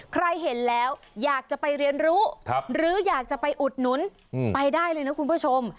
ใครเห็นแล้วอยากจะไปเรียนรู้หรืออยากจะไปอุดหนุนไปได้เลยนะคุณผู้ชม